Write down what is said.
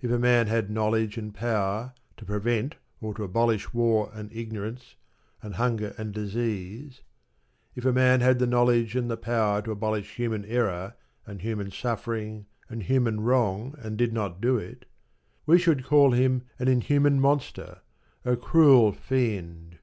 If a man had knowledge and power to prevent or to abolish war and ignorance and hunger and disease; if a man had the knowledge and the power to abolish human error and human suffering and human wrong and did not do it, we should call him an inhuman monster, a cruel fiend.